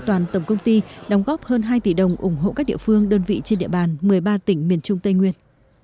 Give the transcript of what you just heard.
toàn tổng công ty đóng góp hơn hai tỷ đồng ủng hộ các địa phương đơn vị trên địa bàn một mươi ba tỉnh miền trung tây nguyên